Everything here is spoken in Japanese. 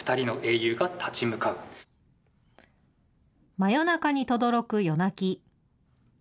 真夜中にとどろく夜泣き！